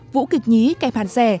vũ kịch nhí kẹp hạt rẻ